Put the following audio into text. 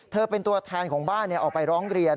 เป็นตัวแทนของบ้านออกไปร้องเรียน